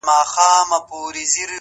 شراب ترخه ترخو ته دي- و موږ ته خواږه-